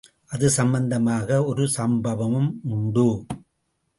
அது சம்பந்தமாக ஒரு சம்பவம் உண்டு.